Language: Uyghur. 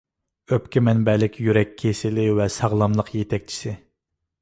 ئۆپكە مەنبەلىك يۈرەك كېسىلى ۋە ساغلاملىق يېتەكچىسى.